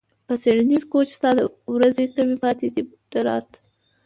په څیړنیز کوچ ستا ورځې کمې پاتې دي ډارت